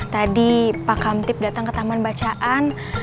tadi pak kamtip datang ke taman bacaan